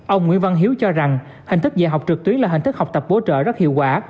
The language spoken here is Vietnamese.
ông nguyễn văn hiếu cho rằng hình thức dạy học trực tuyến là hình thức học tập bổ trợ rất hiệu quả